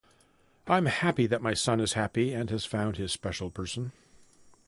I'm happy that my son is happy and has found his special person.